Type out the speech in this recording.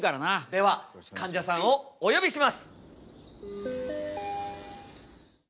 ではかんじゃさんをお呼びします。